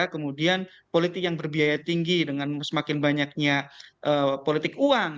kemudian politik yang berbiaya tinggi dengan semakin banyaknya politik uang